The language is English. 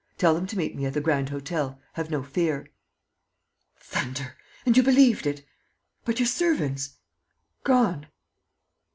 Tell them to meet me at the Grand Hotel. Have no fear." "Thunder! And you believed it? ... But your servants?" "Gone."